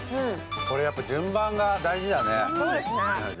これやっぱ、順番が大事だね。